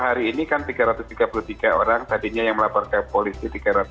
karena kalau per hari ini kan tiga ratus tiga puluh tiga orang tadinya yang melaporkan ke polisi